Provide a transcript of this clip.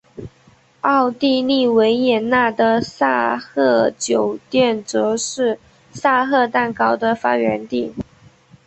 奥地利维也纳的萨赫酒店则是萨赫蛋糕的发源地。